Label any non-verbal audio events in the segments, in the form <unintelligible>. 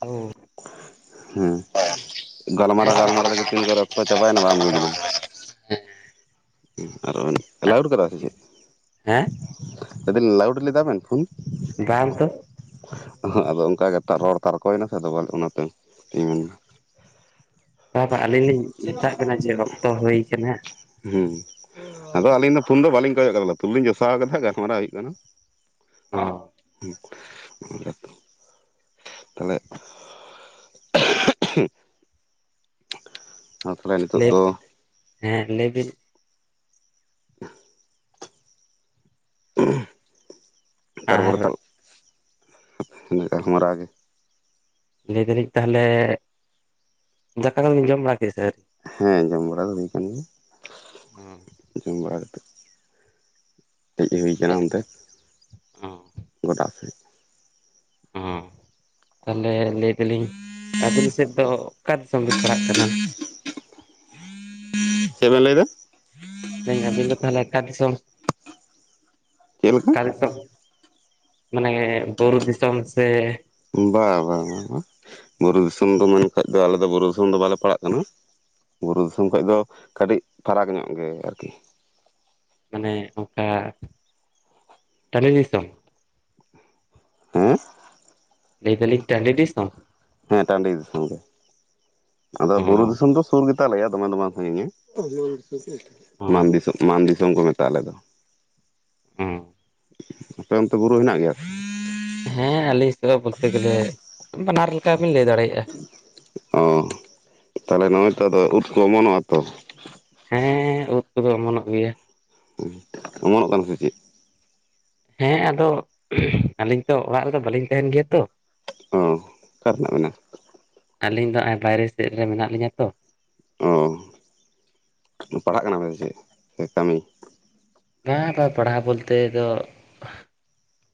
ᱳ ᱦᱮᱸ ᱜᱟᱞᱢᱟᱨᱟ ᱜᱟᱞᱢᱟᱨᱟ ᱛᱮᱜᱮ ᱛᱤᱱ ᱠᱚᱨᱮ ᱚᱠᱛᱚ ᱪᱟᱯᱟᱭᱱᱟ ᱵᱟᱝ ᱵᱩᱡ ᱞᱮᱱᱟ ᱦᱮ <unintelligible> ᱠᱟᱫᱟ ᱥᱮ ᱪᱮᱫ ᱦᱮᱸ ᱞᱟᱹᱭ ᱫᱤᱱ ᱞᱟᱣᱩᱰ ᱞᱮᱫᱟ ᱵᱮᱱ ᱯᱷᱳᱱ ᱵᱟᱝ ᱛᱚ ᱟᱫᱚ ᱚᱱᱠᱟ ᱜᱮ ᱨᱚᱲ ᱛᱟᱨᱠᱚ ᱭᱮᱱᱟ ᱥᱮ ᱚᱱᱟᱛᱮ ᱤᱧ ᱢᱮᱱᱫᱟ ᱵᱟᱵᱟ ᱟᱹᱞᱤᱧ ᱞᱤᱧ ᱢᱮᱛᱟᱜ ᱵᱤᱱᱟ ᱡᱮ ᱚᱠᱛᱚ ᱦᱩᱭ ᱟᱠᱟᱱᱟ ᱦᱩᱸ ᱟᱫᱚ ᱟᱹᱞᱤᱧ ᱫᱚ ᱯᱷᱩᱞ ᱫᱚ ᱵᱟᱞᱤᱧ ᱠᱚᱭᱚᱜ ᱟᱠᱟᱫᱟ ᱞᱩᱛᱩᱨ ᱨᱤᱞᱤᱧ ᱡᱚᱥᱟᱣ ᱠᱟᱫᱟ ᱜᱟᱞᱢᱟᱨᱟᱣ ᱦᱩᱭᱩᱜ ᱠᱟᱱᱟ ᱚ <unintelligible> ᱛᱟᱦᱚᱞᱮ <unintelligible> ᱚᱱᱟ ᱛᱟᱦᱚᱞᱮ ᱱᱤᱛᱳᱜ ᱞᱟᱹᱭ ᱫᱚ ᱦᱮᱸ ᱞᱟᱹᱭ ᱵᱤᱱ <inaudible> ᱟᱨ ᱛᱟᱨᱯᱚᱨᱮ ᱜᱟᱞ ᱢᱟᱨᱟᱜ ᱜᱮ ᱞᱟᱹᱭ ᱫᱟᱞᱤᱧ ᱛᱟᱦᱚᱞᱮ ᱫᱟᱠᱟ ᱠᱚᱵᱤᱧ ᱡᱚᱢ ᱵᱟᱲᱟ ᱠᱮᱫᱟ ᱥᱮ ᱟᱹᱣᱨᱤ ᱦᱮᱸ ᱡᱚᱢ ᱵᱟᱲᱟ ᱫᱚ ᱦᱩᱭ ᱟᱠᱟᱱ ᱜᱮᱭᱟ ᱡᱚᱢ ᱵᱟᱲᱟ ᱠᱟᱛᱮ ᱦᱮᱡ ᱦᱩᱭ ᱟᱠᱟᱱᱟ ᱚᱱᱛᱮ ᱜᱚᱰᱟ ᱥᱮᱫ ᱦᱚᱸ ᱛᱟᱦᱚᱞᱮ ᱞᱟᱹᱭ ᱮ ᱫᱟᱞᱤᱧ ᱟᱹᱵᱤᱱ ᱥᱮᱫ ᱫᱚ ᱚᱠᱟ ᱫᱤᱥᱚᱢ ᱵᱤᱱ ᱯᱟᱲᱟᱜ ᱠᱟᱱᱟ ᱪᱮᱫ ᱵᱮᱱ ᱞᱟᱹᱭ ᱮᱫᱟ ᱞᱟᱹᱭ ᱟᱹᱧ ᱟᱵᱤᱱ ᱫᱚ ᱛᱟᱦᱚᱞᱮ ᱚᱠᱟ ᱫᱤᱥᱚᱢ ᱪᱮᱫ ᱞᱮᱠᱟ ᱚᱠᱟ ᱫᱤᱥᱚᱢ ᱢᱟᱱᱮ ᱵᱩᱨᱩ ᱫᱤᱥᱚᱢ ᱥᱮ ᱵᱟᱝ ᱵᱟᱝ ᱵᱟᱝ ᱵᱟᱝ ᱵᱩᱨᱩ ᱫᱤᱥᱚᱢ ᱫᱚ ᱢᱮᱱᱠᱷᱟᱡ ᱫᱚ ᱟᱞᱮ ᱫᱚ ᱵᱩᱨᱩ ᱫᱤᱥᱚᱢ ᱫᱚ ᱵᱟᱞᱮ ᱯᱟᱲᱟᱜ ᱠᱟᱱᱟ ᱵᱩᱨᱩ ᱫᱤᱥᱚᱢ ᱠᱷᱚᱱ ᱫᱚ ᱠᱟᱹᱴᱤᱡ ᱯᱷᱟᱨᱟᱠ ᱧᱚᱜ ᱜᱮ ᱟᱨᱠᱤ ᱢᱟᱱᱮ ᱚᱱᱠᱟ ᱴᱟᱱᱰᱤ ᱫᱤᱥᱚᱢ ᱦᱮᱸ ᱞᱟᱹᱭ ᱫᱟᱞᱤᱧ ᱴᱟᱺᱰᱤ ᱫᱤᱥᱚᱢ ᱦᱮᱸ ᱴᱟᱺᱰᱤ ᱫᱤᱥᱚᱢ ᱜᱮ ᱟᱫᱚ ᱚ ᱵᱩᱨᱩ ᱫᱤᱥᱚᱢ ᱫᱚ ᱥᱩᱨ ᱜᱮᱛ ᱟᱞᱮᱭᱟ ᱫᱚᱢᱮ ᱫᱚ ᱵᱟᱝ ᱥᱟᱸᱜᱤᱧᱟ ᱚ ᱢᱟᱱ ᱫᱤᱥᱚᱢ ᱠᱚ ᱢᱮᱛᱟ ᱟᱞᱮ ᱫᱚ ᱦᱚᱸ ᱟᱯᱮ ᱚᱱᱛᱮ ᱵᱩᱨᱩ ᱦᱮᱱᱟᱜ ᱜᱮᱭᱟ ᱦᱮᱸ ᱟᱞᱤᱧ ᱥᱮᱫ ᱫᱚ ᱵᱚᱞᱛᱮ ᱜᱮᱞᱮ ᱵᱟᱱᱟᱨ ᱞᱮᱠᱟᱵᱤᱱ ᱞᱟᱹᱭ ᱫᱟᱲᱮᱭᱟᱜᱼᱟ ᱚ ᱛᱟᱦᱚᱞᱮ ᱱᱚᱜᱼᱚᱭ ᱛᱚ ᱟᱫᱚ ᱩᱫ ᱠᱚ ᱚᱢᱚᱱᱚᱜᱼᱟ ᱛᱚ ᱦᱮᱸ ᱩᱫ ᱠᱚᱫᱚ ᱚᱢᱚᱱᱚᱜ ᱜᱮᱭᱟ ᱦᱩ ᱚᱢᱚᱱᱚᱜ ᱠᱟᱱᱟ ᱥᱮ ᱪᱮᱫ ᱦᱮᱸ ᱟᱫᱚ ᱟᱹᱞᱤᱧ ᱛᱚ ᱚᱲᱟᱜ ᱨᱮᱫᱚ ᱵᱟᱹᱞᱤᱧ ᱛᱟᱦᱮᱸᱱ ᱜᱮᱭᱟ ᱛᱚ ᱚ ᱚᱠᱟ ᱨᱮᱱᱟᱜ ᱢᱮᱱᱟᱜ ᱵᱤᱱᱟ ᱟᱹᱞᱤᱧ ᱫᱚ ᱱᱚᱜᱼᱚᱭ ᱵᱟᱭᱨᱮ ᱥᱮᱫ ᱨᱮ ᱢᱮᱱᱟᱜ ᱞᱤᱧᱟᱹ ᱛᱚ ᱚ ᱯᱟᱲᱦᱟᱜ ᱠᱟᱱᱟ ᱵᱮᱱ ᱥᱮ ᱪᱮᱫ ᱥᱮ ᱠᱟᱹᱢᱤ ᱵᱟᱝ ᱵᱟᱝ ᱯᱟᱲᱦᱟᱣ ᱵᱚᱞᱛᱮ ᱫᱚ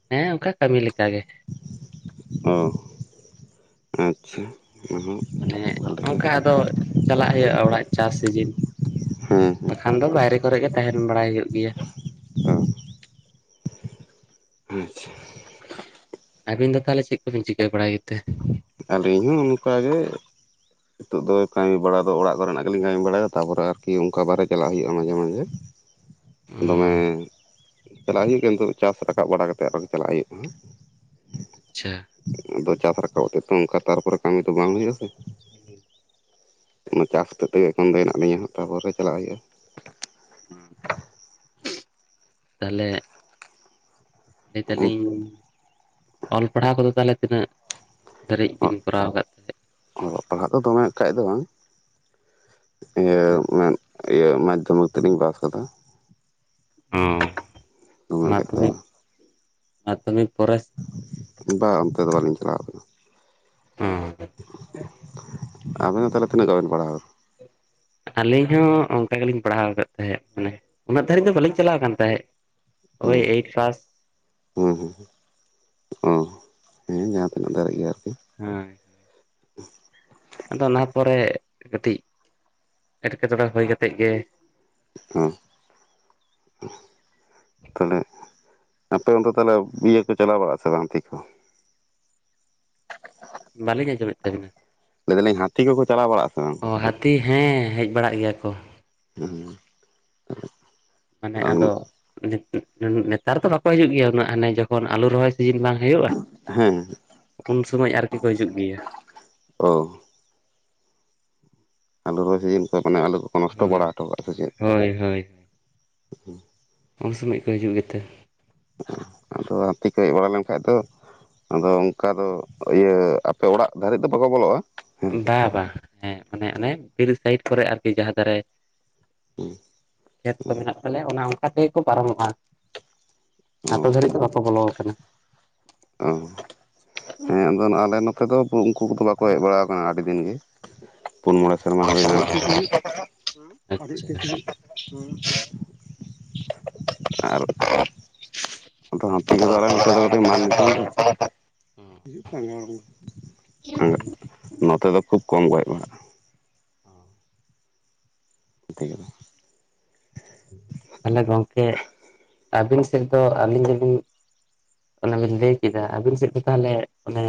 ᱦᱮᱸ ᱚᱱᱠᱟ ᱠᱟᱹᱢᱤ ᱞᱮᱠᱟᱟᱜ ᱜᱮ ᱚ ᱟᱪᱪᱷᱟ ᱢᱟᱱᱮ ᱚᱱᱟ ᱚᱱᱠᱟ ᱟᱫᱚ ᱪᱟᱞᱟᱜ ᱦᱩᱭᱩᱜᱼᱟ ᱚᱲᱟᱜ ᱪᱟᱥ ᱥᱤᱡᱤᱱ <inaudible> ᱦᱮᱸ ᱵᱟᱠᱷᱟᱱ ᱫᱚ ᱵᱟᱭᱨᱮ ᱠᱚᱨᱮ ᱜᱮ ᱛᱟᱦᱮᱸᱱ ᱵᱟᱲᱟᱭ ᱦᱩᱭᱩᱜ ᱜᱮᱭᱟ ᱚ ᱟᱪᱪᱷᱟ ᱟᱹᱵᱤᱱ ᱫᱚ ᱛᱟᱦᱚᱞᱮ ᱪᱮᱫ ᱠᱚᱵᱤᱱ ᱪᱤᱠᱟᱹ ᱵᱟᱲᱟᱭᱮᱫ ᱛᱮ ᱟᱞᱤ ᱤᱧ ᱦᱚᱸ ᱚᱱᱠᱟ ᱜᱮ ᱱᱤᱛᱚᱜ ᱫᱚ ᱠᱟᱹᱢᱤ ᱵᱟᱲᱟ ᱫᱚ ᱚᱲᱟᱜ ᱠᱚ ᱨᱮᱱᱟᱜ ᱜᱮᱞᱤᱧ ᱠᱟᱹᱢᱤ ᱵᱟᱲᱟᱭᱟ ᱛᱟᱯᱚᱨᱮ ᱟᱨᱠᱤ ᱚᱱᱠᱟ ᱵᱟᱦᱨᱮ ᱪᱟᱞᱟᱜ ᱦᱩᱭᱩᱜᱳᱼᱟ ᱢᱟᱡᱷᱮ ᱢᱟᱡᱷᱮ ᱚᱸ ᱫᱚᱢᱮ ᱪᱟᱞᱟᱜ ᱦᱩᱭᱩᱜᱳᱼᱟ ᱠᱤᱱᱛᱩ ᱪᱟᱥ ᱨᱟᱠᱟᱵ ᱵᱟᱲᱟ ᱠᱟᱛᱮ ᱟᱨᱚ ᱪᱟᱞᱟᱜ ᱦᱩᱭᱩᱜᱼᱟ ᱟᱪᱪᱷᱟ ᱟᱫᱚ ᱪᱟᱥ ᱨᱟᱠᱟᱵ ᱠᱟᱛᱮ ᱛᱚ ᱚᱱᱠᱟ ᱛᱟᱨᱯᱚᱨᱮ ᱠᱟᱹᱢᱤ ᱫᱚ ᱵᱟᱝ ᱦᱩᱭᱩᱜᱼᱟ ᱟᱥᱮ ᱚᱱᱟ ᱪᱟᱥ ᱠᱟᱛᱮ ᱜᱮ ᱮᱠᱷᱚᱱ ᱫᱚ ᱦᱮᱱᱟᱜ ᱞᱤᱧᱟ ᱦᱟᱜ ᱛᱟᱯᱚᱨᱮ ᱪᱟᱞᱟᱜ ᱦᱩᱭᱩᱜᱼᱟ ᱛᱟᱦᱚᱞᱮ ᱞᱟᱹᱭ ᱦᱩᱭᱩᱜᱼᱟ ᱫᱟᱞᱤᱧ ᱚᱞ ᱯᱟᱲᱦᱟᱣ ᱠᱚᱫᱚ ᱛᱟᱦᱚᱞᱮ ᱛᱤᱱᱟᱹᱜ ᱫᱷᱟᱹᱨᱤᱡ ᱵᱤᱱ ᱠᱚᱨᱟᱣ ᱟᱠᱟᱫ ᱛᱟᱦᱮᱸᱫ ᱚᱞᱚᱜ ᱯᱟᱲᱦᱟᱜ ᱫᱚ ᱫᱚᱢᱮ ᱮᱠᱴᱟ ᱫᱚ ᱵᱟᱝ ᱤᱭᱟᱹ <inaudible> ᱤᱭᱟᱹ ᱢᱟᱫᱽᱫᱷᱚᱢᱤᱠ ᱛᱮᱞᱤᱧ ᱯᱟᱥ ᱟᱠᱟᱫᱟ ᱚ ᱫᱚᱢᱮ ᱠᱷᱟᱡ ᱫᱚ ᱢᱟᱫᱫᱷᱚᱢᱤᱠ ᱵᱟᱝ ᱢᱟᱫᱫᱷᱚᱢᱤᱠ ᱯᱚᱨᱮ ᱵᱟᱝ ᱚᱱᱛᱮ ᱫᱚ ᱵᱟᱹᱞᱤᱧ ᱪᱟᱞᱟᱣ ᱠᱟᱱᱟ ᱚᱸ ᱟᱵᱮᱱ ᱛᱟᱦᱚᱞᱮ ᱛᱤᱱᱟᱹᱜ ᱜᱟᱵᱮᱵ ᱯᱟᱲᱦᱟᱣ ᱟᱠᱟᱱᱟ ᱟᱹᱞᱤᱧ ᱦᱚᱸ ᱚᱱᱠᱟ ᱜᱮᱞᱤᱧ ᱯᱟᱲᱦᱟᱣ ᱟᱠᱟᱫ ᱛᱟᱦᱮᱸᱫ ᱢᱟᱱᱮ ᱩᱱᱟᱹᱜ ᱫᱷᱟᱹᱨᱤᱡ ᱫᱚ ᱵᱟᱹᱞᱤᱧ ᱪᱟᱞᱟᱣ ᱟᱠᱟᱱ ᱛᱟᱦᱮᱸᱫ ᱳᱭ ᱮᱭᱤᱴ ᱯᱟᱥ ᱦᱮᱸ ᱦᱮᱸ ᱚᱦᱮᱸ ᱡᱟᱦᱟᱸ ᱛᱤᱱᱟᱹᱜ ᱫᱷᱟᱨᱤᱡ ᱜᱮ ᱟᱨᱠᱤ ᱦᱳᱭ ᱟᱫᱚ ᱚᱱᱟ ᱯᱚᱨᱮ ᱠᱟᱹᱴᱤᱡ ᱮᱴᱠᱮᱴᱚᱬᱮ ᱦᱩᱭ ᱠᱟᱛᱮ ᱜᱮ ᱚ ᱛᱟᱞᱦᱮ ᱟᱯᱮ ᱚᱱᱛᱮ ᱛᱟᱞᱦᱮ ᱤᱭᱟᱹ ᱠᱚ ᱪᱟᱞᱟᱣ ᱵᱟᱲᱟᱜᱼᱟ ᱥᱮ ᱵᱟᱝᱛᱮ ᱠᱚ ᱵᱟᱹᱞᱤᱧ ᱟᱸᱡᱚᱢᱮᱫ ᱛᱟᱹᱵᱤᱱᱟ ᱞᱟᱹᱭᱮᱫᱟ ᱞᱤᱧ ᱦᱟᱹᱛᱤ ᱠᱚᱠᱚ ᱪᱟᱞᱟᱣ ᱵᱟᱲᱟᱜᱼᱟ ᱥᱮ ᱵᱟᱝ ᱚ ᱦᱟᱹᱛᱤ ᱦᱮᱸ ᱦᱮᱡ ᱵᱟᱲᱟᱜ ᱜᱮᱭᱟ ᱠᱚ ᱦᱮᱸ ᱢᱟᱱᱮ ᱟᱫᱚ ᱱᱮᱛᱟᱨ ᱫᱚ ᱵᱟᱠᱚ ᱦᱤᱡᱩᱜ ᱜᱮᱭᱟ ᱩᱱᱟᱹᱜ ᱦᱟᱱᱮ ᱡᱚᱠᱷᱚᱱ ᱟᱞᱩ ᱨᱚᱦᱚᱭ ᱥᱤᱡᱤᱱ ᱵᱟᱝ ᱦᱩᱭᱩᱜᱼᱟ ᱦᱮᱸ ᱩᱱ ᱥᱚᱢᱚᱭ ᱟᱨᱠᱤ ᱠᱚ ᱦᱤᱡᱩᱜ ᱜᱮᱭᱟ ᱚ ᱟᱞᱩ ᱨᱚᱦᱚᱭ ᱥᱤᱡᱤᱱ ᱠᱚ ᱢᱟᱱᱮ ᱟᱞᱩ ᱠᱚᱠᱚ ᱱᱚᱥᱴᱚ ᱵᱟᱲᱟ ᱦᱳᱭ ᱦᱚᱴᱚ ᱠᱟᱜᱼᱟ ᱥᱮ ᱪᱮᱫ ᱦᱳᱭ ᱦᱳᱭ ᱩᱱ ᱥᱚᱢᱚᱭ ᱠᱚ ᱦᱤᱡᱩᱜ ᱜᱮᱛᱮ ᱟᱫᱚ ᱦᱟᱹᱛᱤ ᱠᱚ ᱦᱮᱡ ᱵᱟᱲᱟ ᱞᱮᱱᱠᱷᱟᱡ ᱫᱚ ᱟᱫᱚ ᱚᱱᱠᱟ ᱫᱚ ᱤᱭᱟᱹ, ᱟᱯᱮ ᱚᱲᱟᱜ ᱫᱷᱟᱹᱨᱤᱡ ᱫᱚ ᱵᱟᱠᱚ ᱵᱚᱞᱚᱜᱼᱟ? ᱦᱮᱸ ᱥᱮ ᱵᱟ ᱵᱟ ᱦᱮᱸ ᱢᱟᱱᱮ ᱚᱱᱮ ᱵᱤᱨ ᱥᱟᱭᱤᱰ ᱠᱚᱨᱮ ᱟᱨᱠᱤ ᱡᱟᱦᱟᱸ ᱫᱟᱨᱮ ᱠᱷᱮᱛ ᱠᱚ ᱢᱮᱱᱟᱜ ᱛᱟᱞᱮᱭᱟ ᱚᱱᱮ ᱚᱱᱠᱟ ᱛᱮᱜᱮ ᱠᱚ ᱯᱟᱨᱚᱢᱚᱜᱼᱟ᱾ ᱪᱮᱫ ᱚ ᱟᱯᱮ ᱫᱷᱟᱹᱨᱤᱡ ᱫᱚ ᱵᱟᱯᱮ ᱵᱚᱞᱚ ᱟᱠᱟᱱᱟ᱾ ᱚ ᱦᱮᱸ ᱟᱫᱚ ᱟᱞᱮ ᱱᱚᱛᱮ ᱫᱚ ᱩᱱᱠᱩ ᱠᱚᱫᱚ ᱵᱟᱠᱚ ᱦᱮᱡ ᱵᱟᱲᱟ ᱟᱠᱟᱱᱟ ᱟᱹᱰᱤ ᱫᱤᱱ ᱜᱮ ᱯᱩᱱ ᱢᱚᱬᱮ ᱥᱮᱨᱢᱟ ᱦᱩᱭᱱᱟ <unintelligible> ᱟᱪᱪᱷᱟ ᱦᱩᱸ ᱟᱨ ᱟᱫᱚ ᱦᱟᱹᱛᱤ ᱠᱚᱫᱚ ᱟᱞᱮ ᱱᱚᱛᱮ ᱫᱚ ᱠᱟᱹᱴᱤᱡ ᱢᱟᱱ ᱫᱤᱥᱚᱢ ᱛᱚ᱾ ᱦᱚᱸ ᱦᱩᱭ ᱱᱚᱛᱮ ᱫᱚ ᱠᱷᱩᱵ ᱠᱚᱢ ᱠᱚ ᱦᱮᱡ ᱵᱟᱲᱟᱜᱼᱟ᱾ ᱦᱚᱸ᱾ <unintelligible> ᱛᱟᱦᱚᱞᱮ ᱜᱚᱝᱠᱮ ᱟᱹᱵᱤᱱ ᱥᱮᱫ ᱫᱚ ᱟᱞᱤᱧ <unintelligible> ᱚᱱᱟ ᱵᱤᱱ ᱞᱟᱹᱭ ᱠᱮᱫᱟ ᱟᱹᱵᱤᱱ ᱥᱮᱫ ᱫᱚ ᱛᱟᱦᱚᱞᱮ, ᱚᱱᱮ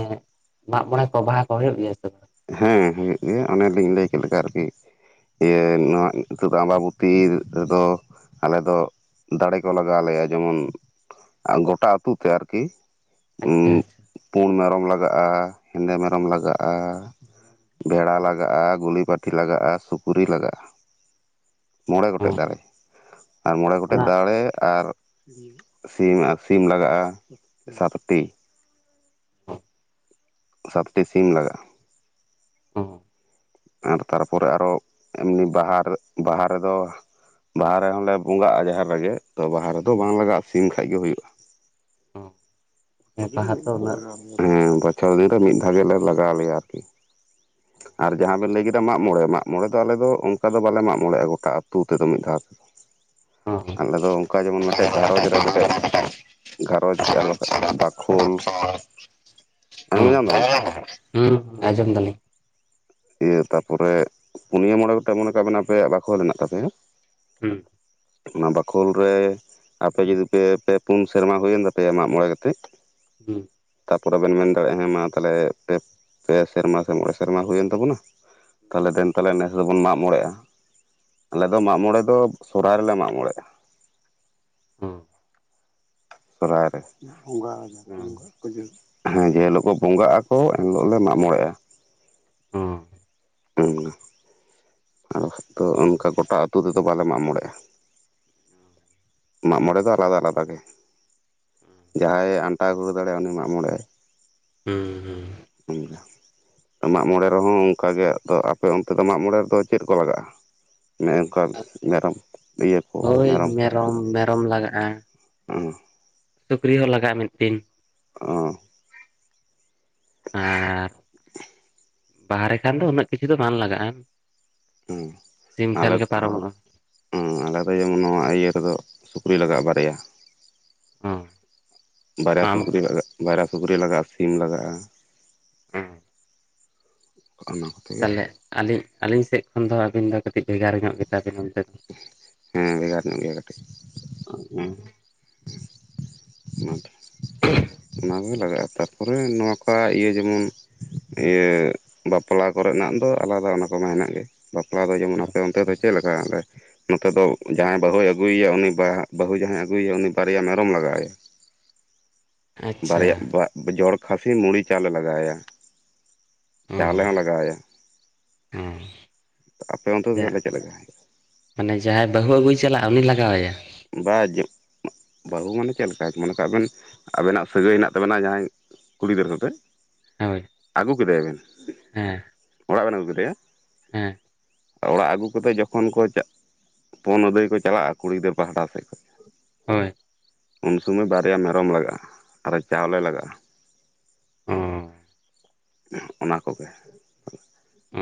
ᱢᱟᱜᱽ ᱢᱚᱬᱮ ᱠᱚ ᱵᱟᱦᱟ ᱠᱚ ᱦᱩᱭᱩᱜ ᱜᱮᱭᱟ ᱥᱮ ᱵᱟᱝ? ᱦᱮᱸ ᱦᱮᱸ ᱦᱳᱭᱳᱜ ᱜᱮᱭᱟ᱾ ᱚᱱᱮᱞᱤᱧ ᱞᱟᱹᱭ ᱠᱮᱫ ᱞᱮᱠᱟ ᱟᱨᱠᱤ ᱤᱭᱟᱹ ᱱᱚᱣᱟ ᱱᱤᱛᱚᱜ ᱫᱚ ᱟᱢᱵᱟᱵᱚᱛᱤ ᱨᱮᱫᱚ ᱟᱞᱮ ᱫᱚ ᱫᱟᱲᱮ ᱠᱚ ᱞᱟᱜᱟᱣᱞᱮᱭᱟ, ᱡᱮᱢᱚᱱ ᱟ ᱜᱚᱴᱟ ᱟᱹᱛᱩ ᱛᱮ ᱟᱨᱠᱤ᱾ ᱩᱸᱜ ᱟᱪᱪᱷᱟ ᱟᱪᱪᱷᱟ ᱯᱩᱸᱰ ᱢᱮᱨᱚᱢ ᱞᱟᱜᱟᱜᱼᱟ, ᱦᱮᱸᱫᱮ ᱢᱮᱨᱚᱢ ᱞᱟᱜᱟᱜᱼᱟ᱾ ᱵᱷᱮᱲᱟ ᱞᱟᱜᱟᱜᱼᱟ, ᱜᱩᱞᱤ ᱯᱟᱹᱴᱤ ᱞᱟᱜᱟᱜᱼᱟ, ᱥᱩᱠᱨᱤ ᱞᱟᱜᱟᱜᱼᱟ᱾ ᱢᱚᱬᱮ ᱜᱚᱴᱮᱡ ᱚᱸ ᱫᱟᱲᱮ, ᱟᱨ ᱢᱚᱬᱮ ᱜᱚᱴᱮᱡ ᱚᱱᱟ ᱫᱟᱲᱮ, ᱟᱨ ᱥᱤᱢ ᱟ ᱥᱤᱢ ᱞᱟᱜᱟᱜᱼᱟ ᱥᱟᱛᱴᱤ᱾ ᱥᱟᱛᱴᱤ ᱥᱤᱢ ᱞᱟᱜᱟᱜᱼᱟ᱾ ᱚ ᱟᱨ ᱛᱟᱨᱯᱚᱨᱮ ᱟᱨᱦᱚ ᱮᱢᱱᱤ ᱵᱟᱦᱟ, ᱵᱟᱦᱟ ᱨᱮᱫᱚ ᱵᱟᱦᱟ ᱨᱮᱦᱚᱸ ᱞᱮ ᱵᱚᱸᱜᱟᱜᱼᱟ ᱡᱟᱦᱮᱨ ᱨᱮᱜᱮ ᱛᱚ ᱵᱟᱦᱟ ᱨᱮᱫᱚ ᱵᱟᱝ ᱞᱟᱜᱟᱜᱼᱟ ᱥᱤᱢ ᱠᱷᱟᱡᱜᱤ ᱦᱩᱭᱩᱜᱼᱟ᱾ ᱚ ᱦᱮᱸ ᱵᱚᱪᱷᱚᱨ ᱫᱤᱱ ᱨᱮ ᱢᱤᱫ ᱫᱷᱟᱣ ᱜᱮᱞᱮ ᱞᱟᱜᱟᱣ ᱞᱮᱭᱟ ᱟᱨᱠᱤ᱾ ᱟᱨ ᱡᱟᱦᱟᱸ ᱵᱮᱱ ᱞᱟᱹᱭ ᱠᱮᱫᱟ ᱢᱟᱜᱽ ᱢᱚᱬᱮ, ᱢᱟᱜᱽ ᱢᱚᱬᱮ ᱫᱚ ᱟᱞᱮᱫᱚ ᱚᱱᱠᱟ ᱫᱚ ᱵᱟᱞᱮ ᱢᱟᱜᱽ ᱢᱚᱬᱮᱜᱭᱟ ᱜᱚᱴᱟ ᱟ ᱟᱹᱛᱩ ᱛᱮᱫᱚ ᱢᱤᱫ ᱫᱷᱟᱣ ᱦᱚᱸ <unintelligible> ᱟᱞᱮ ᱫᱚ ᱚᱱᱠᱟ ᱡᱮᱢᱚᱱ ᱢᱤᱫᱴᱮᱡ ᱜᱷᱟᱸᱨᱚᱧᱡᱽ ᱨᱮ ᱜᱷᱟᱸᱨᱚᱧᱡᱽ ᱵᱟᱠᱷᱟᱡ ᱵᱟᱠᱷᱳᱞ, ᱟᱸᱡᱚᱢ ᱦᱚᱸ ᱧᱟᱢ ᱫᱟᱵᱤᱱ ᱥᱮ? ᱦᱩᱸ ᱟᱡᱚᱢ ᱫᱟᱞᱤᱧ᱾ ᱤᱭᱟᱹ ᱛᱟᱯᱚᱨᱮ ᱯᱩᱱᱭᱟᱹ ᱢᱚᱬᱮ ᱜᱚᱴᱮᱡ ᱢᱚᱱᱮ ᱠᱟᱜ ᱵᱮᱱ ᱟᱯᱮᱭᱟᱜ ᱵᱟᱠᱷᱳᱞ ᱢᱮᱱᱟᱜ ᱛᱟᱯᱮᱭᱟ, ᱦᱮᱸ ᱚᱱᱟ ᱵᱟᱠᱷᱳᱞ ᱨᱮ ᱟᱯᱮ ᱡᱩᱚᱫᱤ ᱯᱮ ᱯᱮ ᱯᱩᱱ ᱥᱮᱨᱢᱟ ᱦᱩᱭᱮᱱ ᱛᱟᱯᱮᱭᱟ ᱢᱟᱜᱽ ᱢᱚᱬᱮ ᱠᱟᱛᱮᱜ ᱦᱮᱸ ᱛᱟᱯᱚᱨᱮ ᱵᱮᱱ ᱢᱮᱱ ᱫᱟᱲᱮᱭᱟᱜᱼᱟ, ᱦᱮᱸ ᱢᱟ ᱛᱟᱦᱚᱞᱮ ᱯᱮ ᱥᱮᱨᱢᱟ ᱥᱮ ᱢᱚᱬᱮ ᱥᱮᱨᱢᱟ ᱦᱩᱭᱮᱱ ᱛᱟᱵᱚᱱᱟ ᱛᱟᱦᱚᱞᱮ ᱫᱮᱱ ᱛᱟᱦᱚᱞᱮ ᱱᱮᱥ ᱫᱚᱵᱚᱱ ᱢᱟᱜᱽ ᱢᱚᱬᱮᱜᱭᱟ᱾ ᱟᱞᱮ ᱫᱚ ᱢᱟᱜᱽ ᱢᱚᱬᱮ ᱫᱚ ᱥᱚᱦᱚᱨᱟᱭ ᱨᱮᱞᱮ ᱢᱟᱜᱽ ᱢᱚᱬᱮᱜᱼᱟ᱾ <unintelligible> ᱥᱚᱨᱦᱟᱭ ᱨᱮ, ᱵᱚᱸᱜᱟ ᱦᱚᱸ ᱵᱚᱸᱜᱟ᱾ ᱦᱮᱸ ᱡᱮ ᱦᱤᱞᱳᱜ ᱵᱚᱸᱜᱟᱜ ᱟᱠᱚ ᱮᱱᱦᱤᱞᱳᱜ ᱞᱮ ᱢᱟᱜᱽ ᱢᱚᱬᱮᱜᱼᱟ᱾ ᱦᱚᱸ <unintelligible> ᱟᱞᱮ ᱥᱮᱫ ᱫᱚ ᱚᱱᱠᱟ ᱜᱚᱴᱟ ᱟᱹᱛᱩ ᱛᱮᱫᱚ ᱵᱟᱞᱮ ᱢᱟᱜᱽ ᱢᱚᱬᱮᱜᱼᱟ ᱢᱟᱜ ᱢᱚᱬᱮ ᱫᱚ ᱟᱞᱟᱫᱟ ᱟᱞᱟᱫᱟ ᱜᱮ ᱡᱟᱦᱟᱸᱭᱮ ᱟᱱᱴᱟᱣ ᱜᱩᱨᱟᱹ ᱫᱟᱲᱮᱭᱟᱜᱟᱭ ᱩᱱᱤ ᱢᱟᱜ ᱢᱚᱬᱮ ᱟᱭ ᱦᱩᱸ ᱦᱩᱸ ᱢᱟᱜᱽ ᱢᱚᱬᱮ ᱨᱮᱦᱚᱸ ᱚᱱᱠᱟ ᱜᱮ ᱟᱯᱮ ᱚᱱᱛᱮ ᱫᱚ ᱢᱟᱜ ᱢᱚᱬᱮ ᱨᱮᱫᱚ ᱪᱮᱫ ᱠᱚ ᱞᱟᱜᱟᱜᱼᱟ᱾ <unintelligible> ᱢᱮᱨᱚᱢ ᱤᱭᱟᱹ ᱠᱚ ᱦᱳᱭ ᱢᱮᱨᱚᱢ ᱠᱚᱠᱚ ᱢᱮᱨᱚᱢ ᱞᱟᱜᱟᱜᱼᱟ ᱥᱩᱠᱨᱤ ᱦᱚᱸ ᱞᱟᱜᱟᱜᱼᱟ ᱢᱤᱫᱴᱤᱱ ᱚᱸ ᱟᱨ ᱵᱟᱦᱮ ᱨᱮᱠᱷᱟᱱ ᱫᱚ ᱩᱱᱟᱹᱜ ᱠᱤᱪᱷᱩ ᱫᱚ ᱵᱟᱝ ᱞᱟᱜᱟᱜᱼᱟ᱾ ᱦᱮᱸ ᱥᱤᱢ ᱟᱞᱮ ᱠᱷᱟᱱ ᱜᱮ ᱯᱟᱨᱚᱢᱚᱜᱼᱟ ᱦᱮᱸ ᱟᱞᱮ ᱫᱚ ᱡᱮᱢᱚᱱ ᱱᱚᱣᱟ ᱤᱭᱟᱹ ᱨᱮᱫᱚ ᱥᱩᱠᱨᱤ ᱞᱟᱜᱟᱜᱼᱟ ᱵᱟᱨᱭᱟ᱾ ᱦᱚᱸ ᱵᱟᱨᱭᱟ ᱟᱢ ᱥᱩᱠᱨᱤ ᱞᱟᱜᱟ ᱵᱟᱨᱭᱟ ᱥᱩᱠᱨᱤ ᱞᱟᱜᱟᱜᱼᱟ ᱥᱤᱢ ᱞᱟᱜᱟᱜᱼᱟ᱾ ᱦᱚᱸ <unintelligible> ᱛᱟᱦᱚᱞᱮ ᱟᱹᱞᱤᱧ ᱟᱹᱞᱤᱧ ᱥᱮᱫ ᱠᱷᱚᱱ ᱫᱚ ᱟᱹᱵᱤᱱ ᱫᱚ ᱠᱟᱹᱴᱤᱡ ᱵᱷᱮᱜᱟᱨ ᱧᱚᱜ ᱜᱮᱛᱟᱵᱤᱱᱟ ᱫᱚ ᱦᱮᱸ ᱵᱷᱮᱜᱟᱨ ᱧᱚᱜ ᱜᱮᱭᱟ ᱠᱟᱹᱴᱤᱡ ᱦᱩᱸ ᱚᱱᱟ ᱚᱱᱟ ᱠᱚᱜᱮ ᱞᱟᱜᱟᱜᱼᱟ ᱛᱟᱨᱯᱚᱨᱮ ᱱᱚᱣᱠᱟ ᱤᱭᱟᱹ ᱡᱮᱢᱚᱱ ᱤᱭᱟᱹ ᱵᱟᱯᱞᱟ ᱠᱚᱨᱮᱱᱟᱜ ᱫᱚ ᱟᱞᱟᱫᱟ ᱚᱱᱟ ᱠᱚᱢᱟ ᱦᱮᱱᱟᱜ ᱜᱮ ᱵᱟᱯᱞᱟ ᱫᱚ ᱡᱮᱢᱚᱱ ᱟᱯᱮ ᱚᱱᱛᱮ ᱫᱚ ᱪᱮᱫ ᱞᱮᱠᱟ <unintelligible> ᱱᱚᱛᱮ ᱫᱚ ᱡᱟᱦᱟᱸᱭ ᱵᱟᱹᱦᱩᱭ ᱟᱹᱜᱩᱭᱮᱭᱟ ᱩᱱᱤ ᱵᱟᱹᱦᱩ ᱡᱟᱦᱟᱸᱭ ᱟᱹᱜᱩᱭᱮᱭᱟ ᱩᱱᱤ ᱵᱟᱨᱭᱟ ᱢᱮᱨᱚᱢ ᱞᱟᱜᱟᱣ ᱮᱭᱟ ᱟᱪᱪᱷᱟ ᱵᱟᱨᱭᱟ ᱵᱟ ᱡᱚᱲ ᱠᱷᱟᱥᱤ ᱢᱩᱲᱤ ᱪᱟᱞᱮ ᱞᱟᱜᱟᱣᱟᱭᱟ ᱚᱸ ᱚᱸ ᱟᱯᱮ ᱚᱱᱛᱮ ᱫᱚ ᱛᱟᱦᱮ ᱪᱮᱫ ᱞᱮᱠᱟ ᱦᱩᱭᱩᱜᱼᱟ? ᱢᱟᱱᱮ ᱡᱟᱦᱟᱸᱭ ᱵᱟᱹᱦᱩ ᱟᱹᱜᱩᱭ ᱪᱟᱞᱟᱜᱼᱟ ᱩᱱᱤ ᱞᱟᱜᱟᱣᱟᱭᱟ ᱵᱟ <unintelligible> ᱵᱟᱹᱦᱩ ᱢᱟᱱᱮ ᱪᱮᱫ ᱞᱮᱠᱟ ᱢᱚᱱᱮ ᱠᱟᱜ ᱵᱮᱱ ᱟᱵᱮᱱᱟᱜ ᱥᱟᱹᱜᱟᱹᱭ ᱦᱮᱱᱟᱜ ᱛᱟᱵᱮᱱᱟ ᱡᱟᱦᱟᱸᱭ ᱠᱩᱲᱤ ᱜᱤᱫᱟᱹᱨ ᱥᱟᱛᱮᱫ ᱦᱳᱭ ᱟᱹᱜᱩ ᱠᱮᱫᱮᱭᱟ ᱵᱮᱱ ᱦᱮᱸ ᱚᱲᱟᱜ ᱵᱮᱱ ᱟᱹᱜᱩ ᱠᱮᱫᱮᱭᱟ ᱦᱮᱸ ᱚᱲᱟᱜ ᱟᱹᱜᱩ ᱠᱟᱛᱮ ᱡᱚᱠᱷᱚᱱ ᱠᱚ ᱪᱟ ᱯᱚᱱ ᱟᱹᱫᱟᱹᱭ ᱠᱚ ᱪᱟᱞᱟᱜᱼᱟ ᱠᱩᱲᱤ ᱜᱤᱫᱽᱨᱟᱹ ᱯᱟᱦᱴᱟ ᱥᱮᱫ ᱠᱷᱚᱱ ᱦᱳᱭ ᱩᱱ ᱥᱩᱢᱟᱹᱭ ᱵᱟᱨᱭᱟ ᱢᱮᱨᱚᱢ ᱞᱟᱜᱟᱜᱼᱟ ᱟᱨ ᱪᱟᱣᱞᱮ ᱞᱟᱜᱟᱜᱼᱟ᱾ ᱚᱸᱻ ᱚᱱᱟ ᱠᱚᱜᱮ ᱚ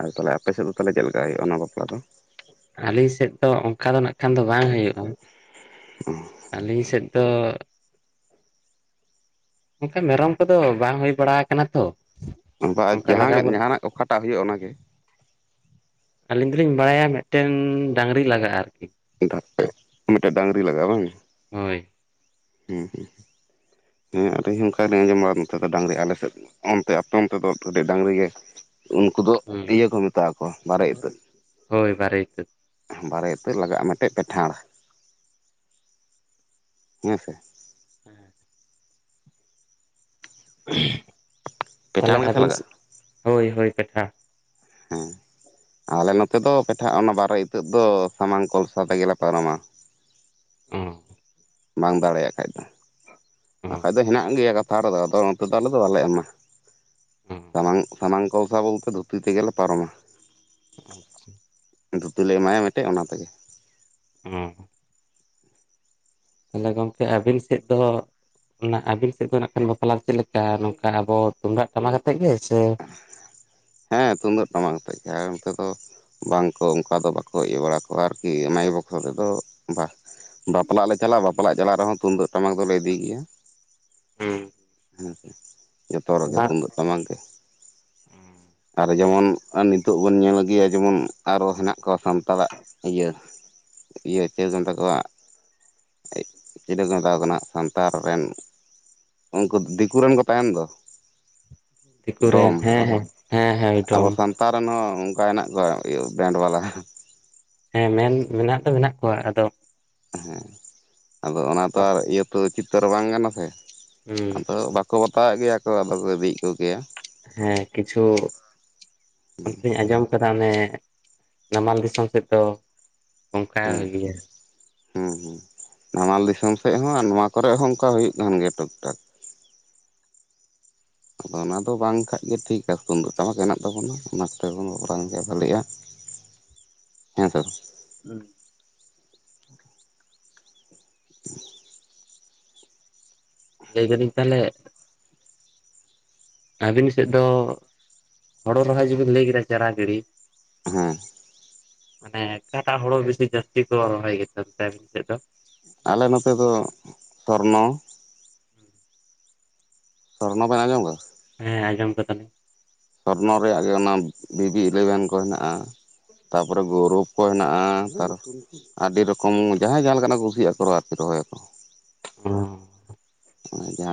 ᱟᱨ ᱛᱟᱦᱚᱞᱮ ᱟᱯᱮ ᱥᱮᱫ ᱫᱚ ᱛᱟᱦᱚᱞᱮ ᱪᱮᱫ ᱞᱮᱠᱟ ᱦᱩᱭᱩᱜᱼᱟ ᱚᱱᱟ ᱵᱟᱯᱞᱟ ᱫᱚ ᱟᱹᱞᱤᱧ ᱥᱮᱫ ᱫᱚ ᱚᱱᱠᱟ ᱫᱚ ᱱᱟᱜ ᱠᱷᱟᱱ ᱫᱚ ᱵᱟᱝ ᱦᱩᱭᱩᱜᱼᱟ᱾ <unintelligible> ᱟᱹᱞᱤᱧ ᱥᱮᱫ ᱫᱚ ᱚᱱᱠᱟ ᱢᱮᱨᱚᱢ ᱠᱚᱫᱚ ᱵᱟᱝ ᱦᱩᱭ ᱵᱟᱲᱟ ᱠᱟᱱᱟ ᱛᱚ ᱵᱟ ᱚᱱᱠᱟ ᱡᱟᱦᱟᱸ ᱞᱟᱜᱟ ᱵᱚᱞ ᱡᱟᱦᱟᱱᱟᱜ ᱚᱠᱟᱴᱟᱜ ᱦᱩᱭᱩᱜᱼᱟ ᱚᱱᱟᱜᱮ ᱟᱹᱞᱤᱧ ᱫᱚᱞᱤᱧ ᱵᱟᱲᱟᱭᱟ ᱢᱤᱫᱴᱮᱱ ᱰᱟᱝᱨᱤ ᱞᱟᱜᱟᱜᱼᱟ ᱟᱨᱠᱤ <unintelligible> ᱢᱤᱫᱴᱟᱝ ᱰᱟᱝᱨᱤ ᱞᱟᱜᱟᱜᱼᱟ ᱵᱟᱝ ᱦᱳᱭ ᱦᱩᱸ ᱦᱩᱸᱸ ᱦᱮᱸ ᱟᱹᱞᱤᱧ ᱚᱱᱠᱟ ᱜᱮᱞᱤᱧ ᱟᱸᱡᱚᱢ ᱵᱟᱫᱟ ᱱᱚᱛᱮ ᱫᱚ ᱰᱟᱝᱨᱤ ᱟᱞᱮᱥᱮᱫ ᱚᱱᱛᱮ ᱟᱯᱮ ᱚᱱᱛᱮ ᱫᱚ ᱠᱟᱹᱴᱤᱡ ᱰᱟᱝᱨᱤ ᱜᱮ ᱩᱱᱠᱩ ᱫᱚ ᱦᱩᱸ ᱤᱭᱟᱹ ᱠᱚ ᱢᱮᱛᱟᱜ ᱠᱚ ᱵᱟᱨᱮ ᱤᱛᱟᱹ ᱦᱳᱭ ᱵᱟᱨᱮᱤᱛᱟᱹ ᱵᱟᱨᱮ ᱤᱛᱟᱹ ᱞᱟᱜᱟᱜᱼᱟ ᱢᱤᱫᱴᱮᱱ ᱯᱮᱴᱷᱟᱲ ᱦᱮᱸᱥᱮ ᱦᱮᱸ <unintelligible> ᱛᱟᱦᱚᱞᱮ ᱯᱮᱴᱷᱟᱲ ᱜᱮᱥᱮ ᱟᱵᱮᱱ ᱞᱟᱜᱟᱜᱼᱟ ᱦᱳᱭ ᱦᱳᱭ ᱯᱮᱴᱷᱟ ᱦᱮᱸ ᱟᱞᱮ ᱱᱚᱛᱮ ᱫᱚ ᱯᱮᱴᱷᱟᱜ ᱚᱱᱟ ᱵᱟᱨᱮ ᱤᱛᱟᱹᱜ ᱫᱚ ᱥᱟᱢᱟᱝ ᱠᱚᱞᱥᱟ ᱛᱮᱜᱮᱞᱮ ᱯᱟᱨᱚᱢᱟ᱾ ᱚᱸ ᱵᱟᱝ ᱫᱟᱲᱮᱭᱟᱜ ᱠᱷᱟᱡ ᱫᱚ ᱚᱸ ᱵᱟᱠᱷᱟᱡ ᱫᱚ ᱦᱮᱱᱟᱜ ᱜᱮᱭᱟ ᱠᱟᱛᱷᱟ ᱨᱮᱫᱚ ᱟᱫᱚ ᱩᱱᱠᱚ ᱫᱚ ᱟᱞᱮ ᱫᱚ ᱵᱟᱞᱮ ᱮᱢᱟ᱾ ᱚᱸ ᱥᱟᱢᱟᱝ ᱥᱟᱱᱟᱝ ᱠᱚᱞᱥᱟ ᱵᱚᱞᱛᱮ ᱫᱷᱩᱛᱤ ᱛᱮᱜᱮᱞᱮ ᱯᱟᱨᱚᱢᱟ᱾ ᱟᱪᱪᱷᱟ ᱫᱷᱩᱛᱤ ᱞᱮ ᱮᱢᱟᱭᱟ ᱢᱤᱫᱴᱮᱱ ᱚᱱᱟ ᱛᱮᱜᱮ᱾ ᱦᱮᱸ ᱛᱟᱦᱚᱞᱮ ᱜᱚᱢᱠᱮ ᱟᱹᱵᱤᱱ ᱥᱮᱫ ᱫᱚ ᱚᱱᱟ ᱟᱹᱵᱤᱱ ᱥᱮᱫ ᱫᱚ ᱱᱟᱜ ᱠᱷᱟᱱ ᱵᱟᱯᱞᱟ ᱪᱮᱫ ᱞᱮᱠᱟ ᱱᱚᱝᱠᱟ ᱟᱵᱚ ᱛᱩᱢᱫᱟᱜ ᱴᱟᱢᱟᱠ ᱟᱛᱮᱫ ᱜᱮ ᱥᱮ? ᱦᱮᱸ ᱛᱩᱢᱫᱟᱹᱜ ᱴᱟᱢᱟᱠ ᱟᱛᱮᱫ ᱜᱮ ᱱᱚᱱᱮ ᱫᱚ ᱵᱟᱝᱠᱚ ᱚᱱᱠᱟ ᱫᱚ ᱵᱟᱠᱚ ᱤᱭᱟᱹ ᱵᱟᱲᱟ ᱠᱚᱣᱟ ᱟᱨᱠᱤ ᱮᱢᱟᱭ ᱵᱚᱠᱥᱚ ᱨᱮᱫ ᱵᱟ ᱵᱟᱯᱞᱟᱜ ᱞᱮ ᱪᱟᱞᱟᱜᱼᱟ ᱵᱟᱯᱞᱟᱜ ᱪᱟᱞᱟᱜ ᱨᱮᱦᱚᱸ ᱛᱩᱢᱫᱟᱹᱜ ᱴᱟᱢᱟᱠ ᱫᱚᱞᱮ ᱤᱫᱤ ᱜᱮᱭᱟ᱾ ᱦᱮᱸ ᱦᱮᱸᱥᱮ ᱡᱚᱛᱚ ᱨᱮᱜᱮ ᱛᱩᱢᱫᱟᱹᱜ ᱴᱟᱢᱟᱠ ᱜᱮ ᱟᱨ ᱡᱮᱢᱚᱱ ᱱᱤᱛᱚᱜ ᱵᱚᱱ ᱧᱮᱞᱜᱭᱟ ᱡᱮᱢᱚᱱ ᱟᱨᱚ ᱦᱮᱱᱟᱜ ᱠᱚᱣᱟ ᱥᱟᱱᱛᱟᱲᱟᱜ ᱤᱭᱟᱹ ᱤᱭᱟᱹ ᱪᱮᱫᱮᱢ ᱢᱮᱛᱟ ᱠᱚᱣᱟ ᱪᱤᱞᱟᱹ ᱠᱚ ᱢᱮᱛᱟᱠᱚ ᱠᱟᱱᱟ ᱥᱟᱱᱛᱟᱲ ᱨᱮᱱ ᱩᱱᱠᱩ ᱫᱤᱠᱩ ᱨᱮᱱ ᱠᱚ ᱛᱟᱦᱮᱸᱱ ᱫᱚ᱾ ᱫᱤᱠᱩᱨ ᱨᱮᱱ ᱦᱮᱸ ᱦᱮᱸ ᱦᱮᱸ ᱮᱫᱚᱢ ᱞᱟᱛᱟᱨ ᱨᱮᱱ ᱦᱚᱸ ᱚᱱᱠᱟ ᱦᱮᱱᱟᱜ ᱠᱚᱣᱟ ᱵᱮᱱᱰ ᱵᱟᱞᱟ᱾ ᱦᱮᱸ ᱢᱮᱱ ᱢᱮᱱᱟᱜ ᱫᱚ ᱢᱮᱱᱟᱜ ᱠᱚᱣᱟ ᱟᱫᱚ ᱦᱮᱸ ᱟᱫᱚ ᱚᱱᱟ ᱛᱚ ᱟᱨ ᱤᱭᱟᱹ ᱛᱚ ᱩᱪᱤᱛᱟᱹᱨ ᱵᱟᱝ ᱜᱟᱱᱚ-ᱟ ᱥᱮ ᱦᱩᱸ ᱟᱫᱚ ᱵᱟ ᱠᱚ ᱵᱟᱛᱟᱣᱮᱫ ᱜᱮᱭᱟ ᱠᱚ ᱟᱫᱚ ᱠᱚ ᱤᱫᱤᱭᱮᱫ ᱠᱚᱜᱮᱭᱟ᱾ ᱦᱮᱸ ᱠᱤᱪᱷᱩ ᱚᱱᱛᱮᱤᱧ ᱟᱸᱡᱚᱢ ᱠᱟᱱᱟ ᱚᱱᱮ ᱱᱟᱢᱟᱞ ᱫᱤᱥᱚᱢ ᱥᱮᱫ ᱫᱚ ᱚᱱᱠᱟ ᱦᱮᱸ ᱦᱩᱭ ᱜᱮᱭᱟ᱾ ᱦᱮᱸ ᱦᱮᱸ ᱱᱟᱢᱟᱞ ᱫᱤᱥᱚᱢ ᱥᱮᱫ ᱦᱚᱸ ᱱᱚᱣᱟ ᱠᱚᱨᱮ ᱦᱚᱸ ᱚᱱᱠᱟ ᱦᱩᱭᱩᱜ ᱠᱟᱱᱜᱮᱭᱟ ᱴᱩᱠ ᱴᱷᱟᱠ᱾ ᱟᱫᱚ ᱚᱱᱟ ᱫᱚ ᱵᱟᱝᱠᱟᱡ ᱜᱮ ᱴᱷᱤᱠ-ᱟ ᱛᱩᱢᱫᱟ ᱴᱟᱢᱟᱠ ᱦᱮᱱᱟᱜ ᱛᱟᱵᱚᱱᱟ ᱚᱱᱟ ᱠᱚᱛᱮ ᱵᱚᱱ ᱵᱟᱯᱞᱟ ᱜᱮᱭᱟ ᱵᱷᱟᱹᱞᱤᱜᱼᱟ᱾ ᱦᱮᱸᱛᱚ ᱦᱩᱸ <unintelligible> ᱞᱟᱹᱭ ᱫᱟᱞᱤᱧ ᱛᱟᱦᱚᱞᱮ ᱟᱹᱵᱤᱱ ᱥᱮᱫ ᱫᱚ ᱦᱚᱲᱚ ᱨᱚᱦᱚᱭ ᱡᱩᱵᱤᱱ ᱞᱟᱹᱭ ᱠᱮᱫᱟ ᱪᱟᱨᱟ ᱜᱤᱲᱤ ᱦᱮᱸ ᱢᱟᱱᱮ ᱚᱠᱟᱴᱟᱜ ᱦᱚᱲᱟᱹ ᱵᱮᱥᱤ ᱡᱟᱹᱥᱛᱤ ᱠᱚ ᱨᱚᱦᱚᱭ ᱜᱮᱛᱟ ᱯᱮᱭᱟ ᱟᱯᱮ ᱥᱮᱫ ᱫᱚ? ᱟᱞᱮ ᱱᱚᱛᱮ ᱫᱚ ᱥᱚᱨᱱᱚ᱾ ᱥᱚᱨᱱᱚ ᱵᱮᱱ ᱟᱸᱡᱚᱢ ᱠᱟᱜ-ᱟ ᱦᱮᱸ ᱟᱸᱡᱚᱢ ᱠᱟᱫᱟᱞᱤᱧ᱾ ᱥᱚᱨᱱᱚ ᱨᱮᱭᱟᱜ ᱜᱮ ᱚᱱᱟ ᱵᱤᱵᱤ ᱤᱞᱮᱵᱷᱮᱱ ᱠᱚ ᱦᱮᱱᱟᱜᱼᱟ᱾ ᱛᱟᱯᱚᱨᱮ ᱜᱚᱨᱯ ᱠᱚ ᱦᱮᱱᱟᱜᱼᱟ, ᱟᱹᱰᱤ ᱨᱚᱠᱚᱢ ᱡᱟᱦᱟᱸᱭ ᱡᱟᱦᱟᱸ ᱞᱮᱠᱟᱱᱟᱜ ᱠᱚ ᱠᱩᱥᱤᱭᱟᱜ ᱠᱚ ᱟᱨᱠᱤ ᱨᱚᱦᱚᱭᱟᱠᱚ᱾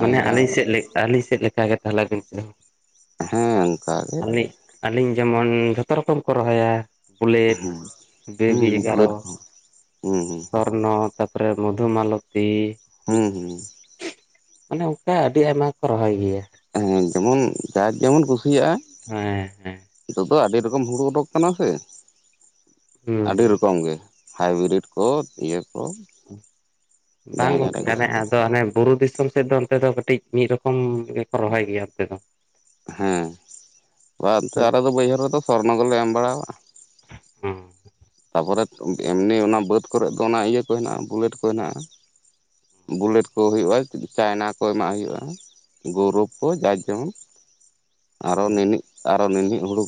ᱢᱟᱱᱮ ᱡᱟᱦᱟᱸ ᱟᱹᱞᱤᱧ ᱞᱮᱠᱟ ᱥᱮᱫ ᱟᱹᱞᱤᱧ ᱥᱮᱫ ᱞᱮᱠᱟ ᱜᱮ ᱛᱟᱦᱚᱞᱮ ᱟᱵᱤᱱ ᱥᱮ ᱦᱚᱸ᱾ ᱦᱮᱸ ᱚᱱᱠᱟᱜ ᱜᱮ᱾ ᱟᱹᱞᱤᱧ ᱟᱹᱞᱤᱧ ᱡᱮᱢᱚᱱ ᱡᱷᱚᱛᱚ ᱨᱚᱠᱚᱢ ᱠᱚ ᱨᱚᱦᱚᱭᱟ, ᱵᱩᱞᱮᱴ ᱦᱮᱸ ᱵᱮᱵᱤ ᱦᱮᱸ ᱮᱜᱟᱨᱚ, ᱵᱩᱞᱮᱴ ᱠᱚᱦᱚᱸ ᱦᱮᱸ ᱦᱮᱸ ᱥᱚᱨᱱ, ᱛᱟᱯᱚᱨᱮ ᱢᱚᱫᱷᱩᱢᱟᱞᱚᱛᱤ, ᱦᱩᱸ ᱦᱩᱸ ᱢᱟᱱᱮ ᱚᱱᱠᱟ ᱟᱹᱰᱤ ᱟᱭᱢᱟ ᱠᱚ ᱨᱚᱦᱚᱭ ᱜᱮᱭᱟ᱾ ᱦᱮᱸ ᱡᱮᱢᱚᱱ ᱡᱟᱠ ᱡᱮᱢᱚᱱ ᱠᱩᱥᱤᱭᱟᱜᱼᱟ᱾ ᱦᱮᱸ ᱦᱮᱸ ᱱᱤᱛᱚᱜ ᱫᱚ ᱟᱹᱰᱤ ᱨᱚᱠᱚᱢ ᱦᱩᱲᱩ ᱚᱰᱚᱜ ᱠᱟᱱᱟ ᱥᱮ, ᱦᱩᱸ ᱟᱹᱰᱤ ᱨᱚᱠᱚᱢ ᱜᱮ᱾ ᱦᱟᱭᱵᱤᱨᱤᱰ ᱠᱚ ᱤᱭᱟᱹ ᱠᱚ᱾ ᱵᱟᱝ ᱡᱟᱦᱟᱸ ᱜᱚᱝᱠᱮ ᱡᱟᱦᱟᱸᱴᱟᱜ ᱟᱱᱮ ᱠᱩᱥᱤ ᱟᱫᱽ ᱟᱫᱚ ᱦᱟᱱᱮ ᱵᱩᱨᱩ ᱫᱤᱥᱚᱢ ᱥᱮᱫ ᱫᱚ ᱚᱱᱛᱮ ᱫᱚ ᱠᱟᱹᱴᱤᱡ ᱢᱤᱫ ᱨᱚᱠᱚᱢ ᱜᱮᱠᱚ ᱨᱚᱦᱚᱭ ᱜᱮᱭᱟ ᱚᱱᱛᱮ ᱫᱚ᱾ ᱦᱮᱸ ᱵᱟ ᱮᱱᱛᱮ ᱟᱞᱮ ᱫᱚ ᱵᱟᱹᱭᱦᱟᱹᱲ ᱨᱮᱫᱚ ᱥᱚᱨᱱᱚ ᱜᱮᱞᱮ ᱮᱢ ᱵᱟᱲᱟᱣᱟᱜᱼᱟ᱾ ᱦᱩᱸ ᱛᱟ ᱯᱚᱨᱮ ᱮᱢᱱᱤ ᱚᱱᱟ ᱵᱟᱹᱫ ᱠᱚᱨᱮ ᱫᱚ ᱚᱱᱟ ᱤᱭᱟᱹ ᱠᱚ ᱦᱮᱱᱟᱜᱼᱟ᱾ ᱵᱩᱞᱮᱴ ᱠᱚ ᱦᱮᱱᱟᱜᱼᱟ᱾ ᱵᱩᱞᱮᱴ ᱠᱚ ᱦᱩᱭᱩᱜᱼᱟ, <unintelligible> ᱪᱟᱭᱱᱟ ᱠᱚ ᱮᱢᱟᱜ ᱦᱩᱭᱩᱜᱼᱟ᱾ ᱜᱩᱨᱩᱯ ᱠᱚ ᱡᱟᱨ ᱡᱮᱢᱚᱱ ᱟᱨᱚ ᱱᱤᱱᱦᱤᱡ ᱟᱨᱚ ᱱᱤᱱᱦᱤᱡ ᱦᱩᱲᱩᱠ